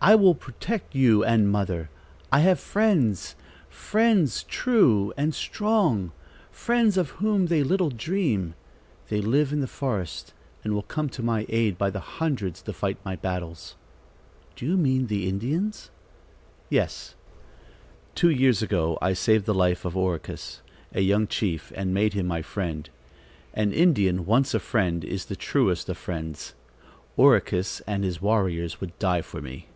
I will protect you and mother. I have friends, friends true and strong, friends of whom they little dream. They live in the forest and will come to my aid by the hundreds to fight my battles." "Do you mean the Indians?" "Yes. Two years ago I saved the life of Oracus, a young chief, and made him my friend. An Indian, once a friend, is the truest of friends. Oracus and his warriors would die for me."